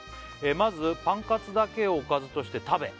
「まずパンカツだけをおかずとして食べ」